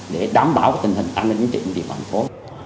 để đảm bảo tình hình an ninh trong tình hình thành phố